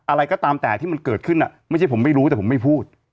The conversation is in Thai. อะไรก็ตามแต่ที่มันเกิดขึ้นไม่ใช่ผมไม่รู้แต่ผมไม่พูด